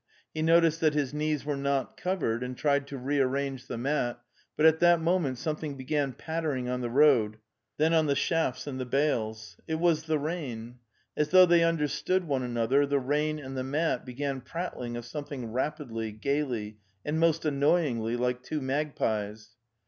He noticed that his knees were not covered, and tried to rearrange the mat, but at that moment something began pattering on the road, then on the shafts and the bales. It was the rain. As though they understood one another, the rain and the mat began prattling of something rapidly, gaily and most annoyingly like two magpies.